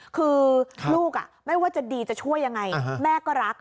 คือลูกไม่ว่าจะดีจะช่วยยังไงแม่ก็รัก